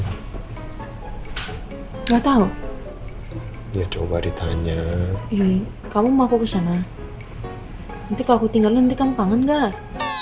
enggak tahu dia coba ditanya ini kamu mau kesana itu kalau tinggal nanti kamu pangan gak